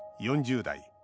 ４０代。